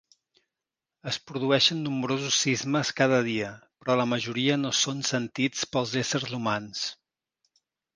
Es produeixen nombrosos sismes cada dia, però la majoria no són sentits pels éssers humans.